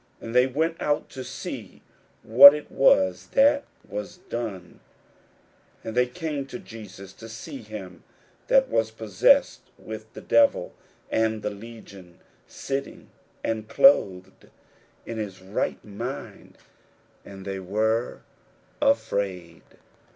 And they went out to see what it was that was done. 41:005:015 And they come to Jesus, and see him that was possessed with the devil, and had the legion, sitting, and clothed, and in his right mind: and they were afraid.